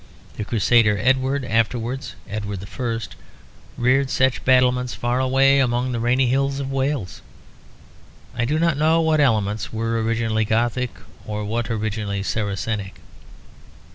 The Crusader Edward, afterwards Edward the First, reared such battlements far away among the rainy hills of Wales. I do not know what elements were originally Gothic or what originally Saracenic.